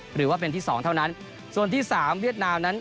หรือว่าเป็นที่สองเท่านั้นส่วนที่สามเวียดนามนั้น